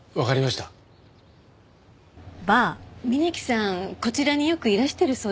こちらによくいらしてるそうですね。